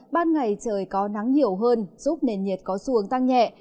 ban ngày trời có nắng nhiều hơn giúp nền nhiệt có xuống tăng nhẹ